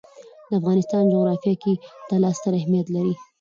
د افغانستان جغرافیه کې طلا ستر اهمیت لري.